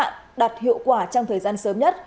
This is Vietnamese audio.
cứu nạn đạt hiệu quả trong thời gian sớm nhất